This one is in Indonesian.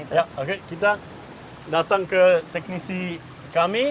oke kita datang ke teknisi kami